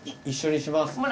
一緒にします。